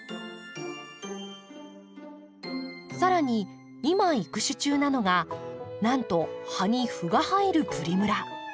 更に今育種中なのがなんと葉に斑が入るプリムラ。